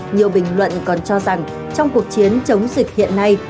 nhiều bình luận còn cho rằng trong cuộc chiến chống dịch hiện nay